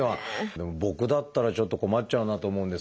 でも僕だったらちょっと困っちゃうなと思うんですが。